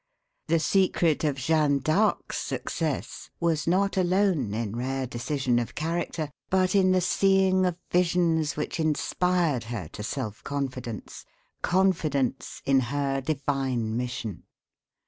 The secret of Jeanne d'Arc's success was not alone in rare decision of character, but in the seeing of visions which inspired her to self confidence confidence in her divine mission.